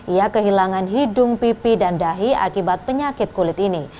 ia kehilangan hidung pipi dan dahi akibat penyakit kulit ini